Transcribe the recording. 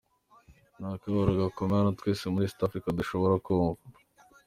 Ni akababaro gakomeye hano twese muri East Africa dushobora kumva.